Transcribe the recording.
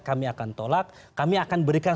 kami akan tolak kami akan berikan